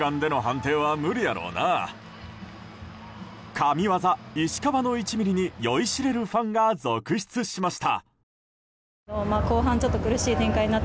神業・石川の１ミリに酔いしれるファンが続出しました。